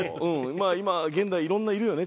まあ今現代いろんないるよね。